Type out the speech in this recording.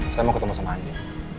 saya mau ketemu sama andi